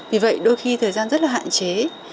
vì vậy đôi khi thời gian rất là hạn chế